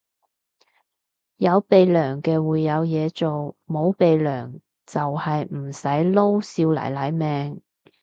有鼻樑嘅會有嘢做，冇鼻樑就係唔使撈少奶奶命